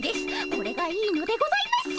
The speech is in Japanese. これがいいのでございます！